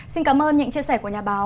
xin cảm ơn những chia sẻ của nhà báo